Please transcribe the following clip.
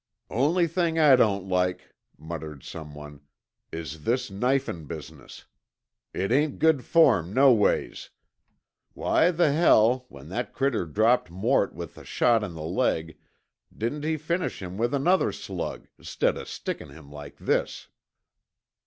"Only thing I don't like," muttered someone, "is this knifin' business. It ain't good form no ways. Why the hell, when that critter dropped Mort with the shot in the leg, didn't he finish him with another slug, 'stead o' stickin' him like this?"